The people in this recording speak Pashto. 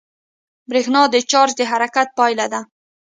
برېښنا د چارج د حرکت پایله ده.